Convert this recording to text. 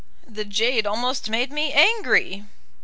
"The jade almost made me angry."